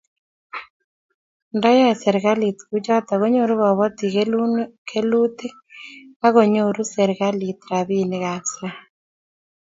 Nda yae serikalit kuchotok konyuru kabatik kelutik ak konyoru serikalit rabinik ab sang'